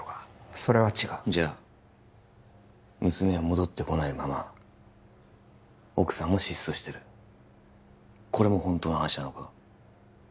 それは違うじゃあ娘は戻ってこないまま奥さんも失踪してるこれも本当の話なのか？